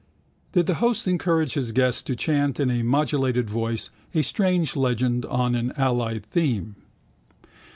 Did the host encourage his guest to chant in a modulated voice a strange legend on an allied theme?